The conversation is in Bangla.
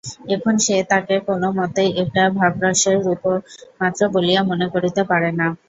এখন সে তাকে কোনোমতেই একটা ভাবরসের রূপকমাত্র বলিয়া মনে করিতে পারে না।